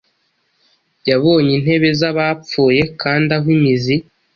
Yabonye intebe z'abapfuye, kandi aho imizi